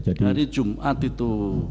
jadi hari jumat itu